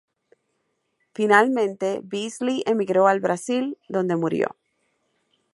Finalmente, Beazley emigró al Brasil, donde murió.